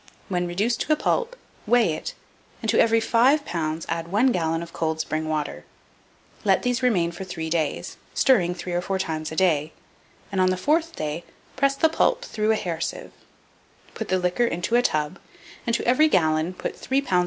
When reduced to a pulp, weigh it, and to every 5 lbs. add 1 gallon of cold spring water; let these remain for 3 days, stirring 3 or 4 times a day; and, on the fourth day, press the pulp through a hair sieve; put the liquor into a tub, and to every gallon put 3 lbs.